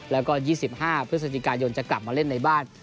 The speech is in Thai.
แล้วก็๒๕พฤศจิกายนจะกลับมาเล่นในบ้าน